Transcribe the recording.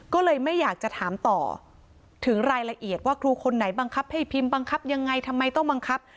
ก็เลยไม่อยากจะถามต่อถึงรายละเอียดว่าครูคนไหนบังคับให้พิมพ์บังคับยังไงทำไมต้องบังคับ